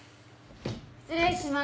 失礼します。